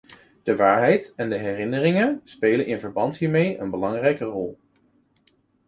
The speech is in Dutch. De waarheid en herinneringen spelen in verband hiermee een belangrijke rol.